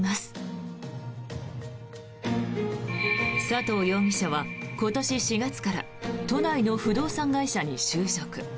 佐藤容疑者は今年４月から都内の不動産会社に就職。